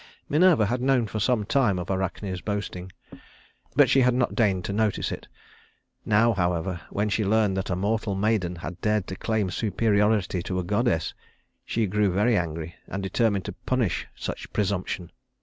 Minerva had known for some time of Arachne's boasting, but she had not deigned to notice it. Now, however, when she learned that a mortal maiden had dared to claim superiority to a goddess, she grew very angry and determined to punish such presumption.